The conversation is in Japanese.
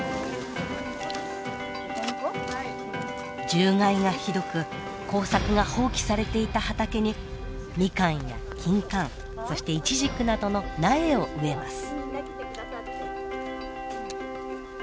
獣害がひどく耕作が放棄されていた畑にミカンやキンカンそしてイチジクなどの苗を植えます。